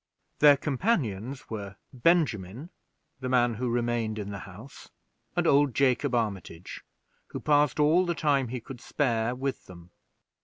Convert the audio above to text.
Their companions were Benjamin, the man who remained in the house, and old Jacob Armitage, who passed all the time he could spare with them.